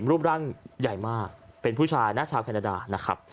รูปร่างใหญ่มากเป็นผู้ชายหน้าชาวแคนาดา